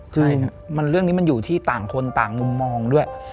คือเรื่องนี้มันอยู่ที่ต่างคนต่างมุมมองด้วย